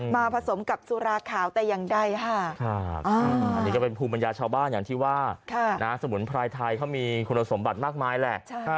มาผสมกับสุราขาวแต่ยังได้ค่ะ